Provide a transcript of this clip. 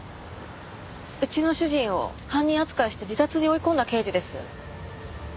うちの主人を犯人扱いして自殺に追い込んだ刑事です。